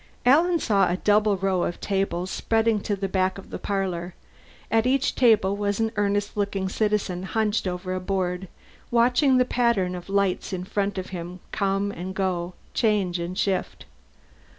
Alan saw a double row of tables spreading to the back of the parlor. At each table was an earnest looking citizen hunched over a board, watching the pattern of lights in front of him come and go, change and shift.